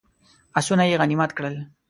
آسونه یې غنیمت کړل.